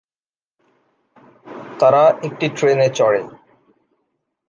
তারা একটি ট্রেনে চড়ে।